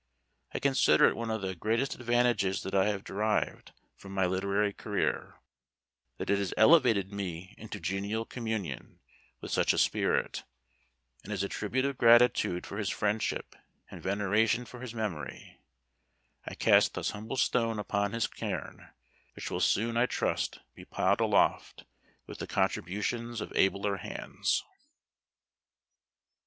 I consider it one of the greatest advantages that I have derived from my literary career, that it has elevated me into genial communion with such a spirit; and as a tribute of gratitude for his friendship, and veneration for his memory, I cast this humble stone upon his cairn, which will soon, I trust, be piled aloft with the contributions of abler hands.